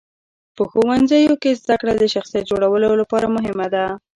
په ښوونځیو کې زدهکړه د شخصیت جوړولو لپاره مهمه ده.